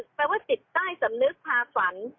ยังไว้ว่าจิตใต้สำนึกทาฝัน